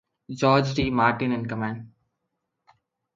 George D. Martin in command.